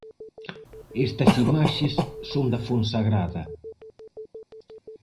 Estas imaxes son da Fonsagrada.